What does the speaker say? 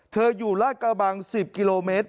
อยู่ราชกระบัง๑๐กิโลเมตร